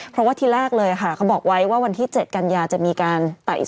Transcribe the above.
เพราะว่าที่แรกเลยค่ะเขาบอกไว้ว่าวันที่๗กันยาจะมีการไต่อีก